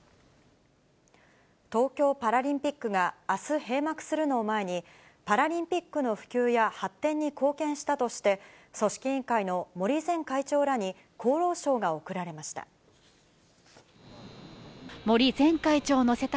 東京パラリンピックがあす閉幕するのを前に、パラリンピックの普及や発展に貢献したとして、組織委員会の森前会長らに功労章が贈られました。